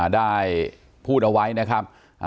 ได้พูดเอาไว้นะครับ